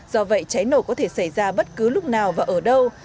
do vậy cháy nổ có thể xảy ra bất cứ lúc nào và ở đâu